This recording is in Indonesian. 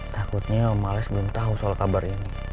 takutnya om alex belum tahu soal kabar ini